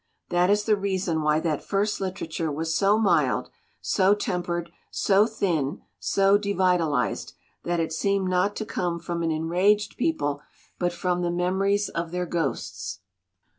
That is the reason why that first literature was so mild, so tempered, so thin, so devitalized, that it seemed not to come from an enraged people, but from the memories of their ghosts.